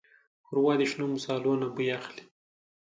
ښوروا د شنو مصالو نه بوی اخلي.